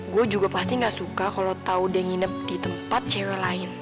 gue juga pasti gak suka kalau tau dia nginep di tempat cewek lain